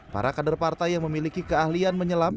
para kader partai yang memiliki keahlian menyelam